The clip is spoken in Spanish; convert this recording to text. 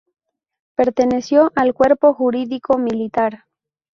Perteneció al Cuerpo Jurídico Militar.